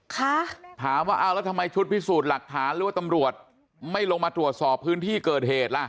ค่ะถามว่าเอาแล้วทำไมชุดพิสูจน์หลักฐานหรือว่าตำรวจไม่ลงมาตรวจสอบพื้นที่เกิดเหตุล่ะ